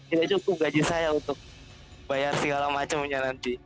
tidak cukup gaji saya untuk bayar segala macamnya nanti